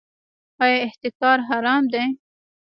آیا احتکار حرام دی؟